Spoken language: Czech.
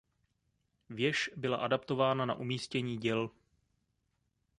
Věž byla adaptována na umístění děl.